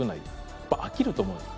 やっぱ飽きると思うんです。